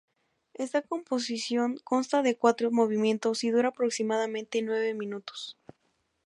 Esta composición consta de cuatro movimientos y dura aproximadamente nueve minutos.